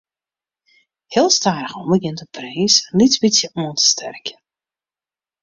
Heel stadich begjint de prins in lyts bytsje oan te sterkjen.